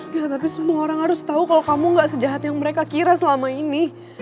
ya tapi semua orang harus tahu kalau kamu gak sejahat yang mereka kira selama ini